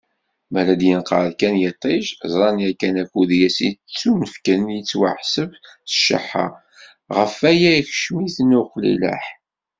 Mi ara d-yenqer kan yiṭij, ẓran yakan akud i asen-yettunefken yettwaḥseb s cceḥḥa, ɣef waya, ikeccem-iten uqlileḥ.